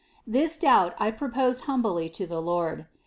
73. This doubt I proposed humbly to the Lord.